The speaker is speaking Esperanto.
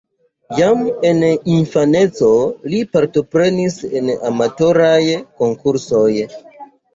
Jam en infaneco li partoprenis en amatoraj konkursoj.